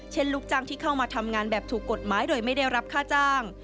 ลูกจ้างที่เข้ามาทำงานแบบถูกกฎหมายโดยไม่ได้รับค่าจ้าง